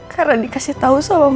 karena dikasih tau sama mbak nino